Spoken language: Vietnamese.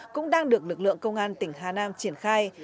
cũng đang được lực lượng công an tỉnh hà nam triển khai